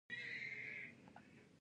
آیا دوی پراید او سمند موټرې نه جوړوي؟